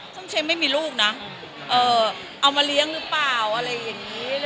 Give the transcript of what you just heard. ส้มเชมไม่มีลูกนะเอามาเลี้ยงหรือเปล่าอะไรอย่างนี้